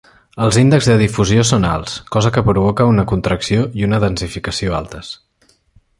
Els índexs de difusió són alts, cosa que provoca una contracció i una densificació altes.